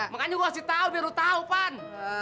makanya gua kasih tahu biar lu tahu pan